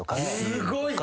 すごい！